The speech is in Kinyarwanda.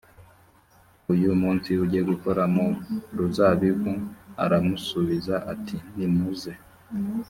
uyu munsi ujye gukora mu ruzabibu aramusubiza ati nimuze